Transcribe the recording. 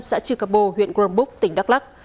xã trường cà bồ huyện gromboop tỉnh đắk lắc